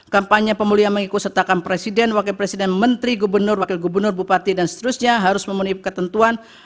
kampanye pemulihan mengikut sertakan presiden wakil presiden menteri gubernur wakil gubernur bupati dan seterusnya harus memenuhi ketentuan